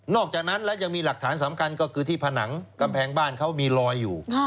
อกจากนั้นแล้วยังมีหลักฐานสำคัญก็คือที่ผนังกำแพงบ้านเขามีรอยอยู่